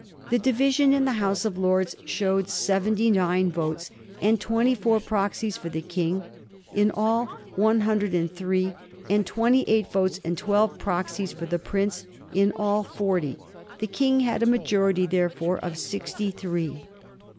The division in the House of Lords showed seven ty nine votes and twenty four proxies for the King, in all one hundred and three ; and twenty eight votes and twelve proxies for the prince, in all forty ; the King had a ma jority, therefore, of sixty three.